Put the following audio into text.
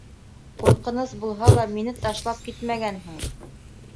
Ҡурҡыныс булһа ла мине ташлап китмәгәнһең!